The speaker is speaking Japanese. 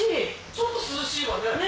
ちょっと涼しいわね